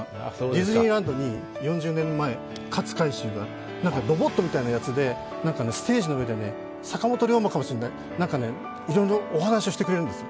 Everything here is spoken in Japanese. ディズニーランドに４０年前、勝海舟がロボットみたいなやつでステージの上で、坂本竜馬かもしれない、いろいろお話をしてくれるんです。